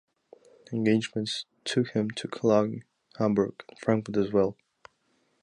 Engagements took him to Cologne, Hamburg, and Frankfurt as well.